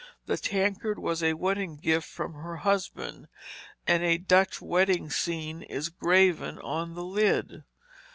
The tankard was a wedding gift from her husband, and a Dutch wedding scene is graven on the lid.